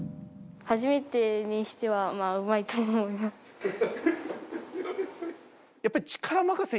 初めてにしては、まあうまいと思います。